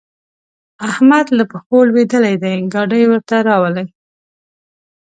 احمد له پښو لوېدلی دی؛ ګاډی ورته راولي.